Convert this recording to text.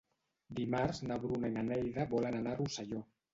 Dimarts na Bruna i na Neida volen anar a Rosselló.